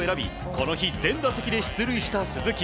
この日、全打席で出塁した鈴木。